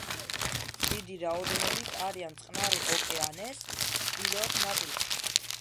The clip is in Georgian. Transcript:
დიდი რაოდენობით არიან წყნარი ოკეანის ჩრდილოეთ ნაწილში.